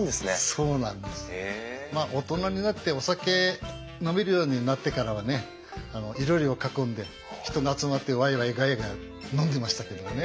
まあ大人になってお酒飲めるようになってからはねいろりを囲んで人が集まってワイワイガヤガヤ飲んでましたけどもね。